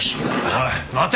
おい待て！